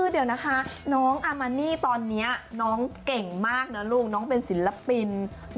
เดี๋ยวนะคะน้องอามานี่ตอนนี้น้องเก่งมากนะลูกน้องเป็นศิลปิน